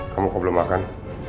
kamu kok belum makan